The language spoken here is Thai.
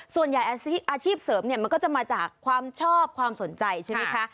อาชีพเสริมเนี่ยมันก็จะมาจากความชอบความสนใจใช่ไหมคะ